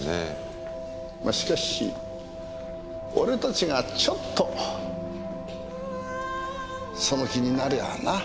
まあしかし俺たちがちょっとその気になりゃあな。